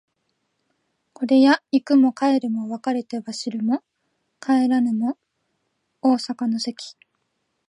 これやこの行くも帰るも別れては知るも知らぬも逢坂の関